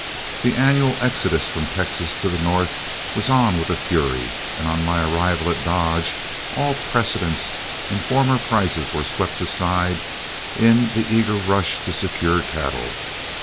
The annual exodus from Texas to the North was on with a fury, and on my arrival at Dodge all precedents in former prices were swept aside in the eager rush to secure cattle.